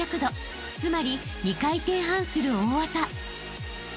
［つまり２回転半する大技］